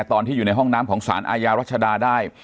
ตอนที่อยู่ในห้องน้ำของสารอาญารัชดาได้